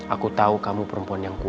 aku tahu kamu perempuan yang kuat